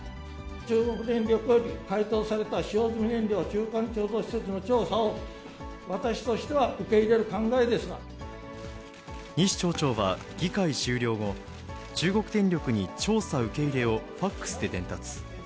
中国電力より回答された使用済み燃料の中間貯蔵施設の調査を、西町長は議会終了後、中国電力に調査受け入れをファックスで伝達。